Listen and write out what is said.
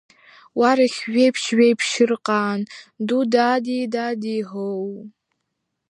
Уа, рыхь-Жәеиԥшь, Жәеиԥшьырҟан ду, даади, даади, ҳоу!